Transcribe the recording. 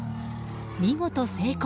見事成功！